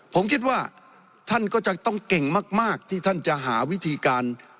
ผมคิดว่าท่านก็จะต้องเก่งมากที่ท่านจะหาวิธีการ